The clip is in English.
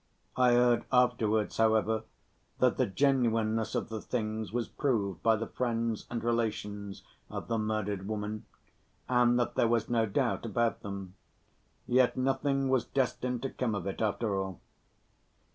I heard afterwards, however, that the genuineness of the things was proved by the friends and relations of the murdered woman, and that there was no doubt about them. Yet nothing was destined to come of it, after all.